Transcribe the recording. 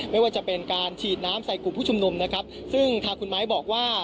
ไม่ว่าจะเป็นการฉีดน้ำใส่กลุ่มผู้ชุมนุมนะครับซึ่งทางคุณไม้บอกว่า